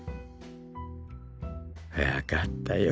分かったよ。